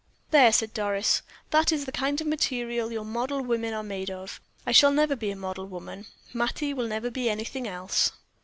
"There," said Doris, "that is the kind of material your model women are made of. I shall never be a model woman Mattie will never be anything else."